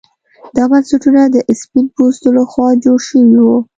دا بنسټونه د سپین پوستو لخوا جوړ شوي وو.